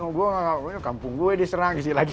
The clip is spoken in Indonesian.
oh gue gak tahu kampung gue diserang gitu lagi